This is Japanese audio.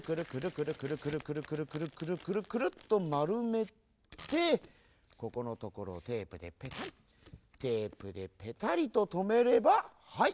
くるくるくるくるくるくるっとまるめてここのところをテープでペタリテープでペタリととめればはい！